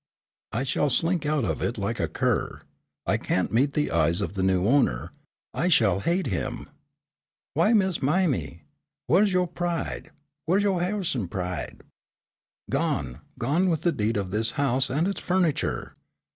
"I shall slink out of it like a cur. I can't meet the eyes of the new owner; I shall hate him." "W'y, Miss Mime, whaih's yo' pride? Whaih's yo' Ha'ison pride?" "Gone, gone with the deed of this house and its furniture.